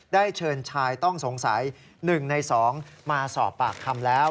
ได้เชิญชายต้องสงสัย๑ใน๒มาสอบปากคำแล้ว